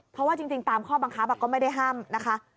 เพราะว่าจริงตามข้อบังคับก็ไม่ได้ห้ามนะคะ